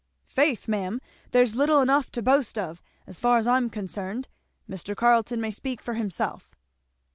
"'Faith ma'am, there's little enough to boast of, as far as I am concerned. Mr. Carleton may speak for himself."